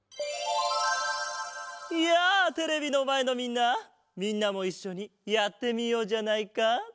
やあテレビのまえのみんなみんなもいっしょにやってみようじゃないか。